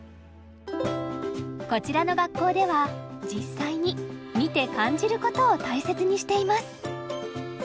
こちらの学校では実際に見て感じることを大切にしています。